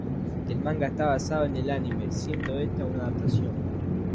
El manga esta basado en el anime, siendo este una adaptación.